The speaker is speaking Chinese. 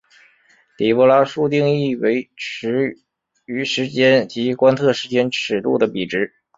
底波拉数定义为驰豫时间及观测时间尺度的比值。